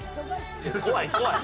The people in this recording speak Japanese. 怖い怖い。